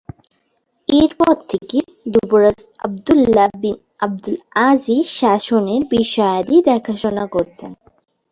এরপর থেকে যুবরাজ আবদুল্লাহ বিন আবদুল আজিজ শাসনের বিষয়াদি দেখাশোনা করতেন।